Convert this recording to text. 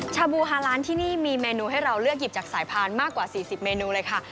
ชาบูฮาล้านที่นี่มีเมนูให้เราเลือกหยิบจากสายพานมากกว่า๔๐เมนูเลยค่ะ